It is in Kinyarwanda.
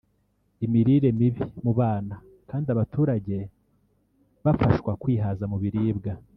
imirire mibi mu bana kandi abaturage bafashwa kwihaza mu biribwa